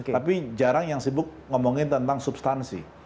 tapi jarang yang sibuk ngomongin tentang substansi